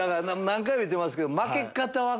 何回も言うてますけど。